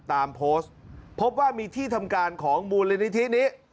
ตามโพสต์พบว่ามีที่ทำการของมูลนิธินี้